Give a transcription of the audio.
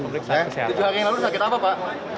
tujuh hari yang lalu sakit apa pak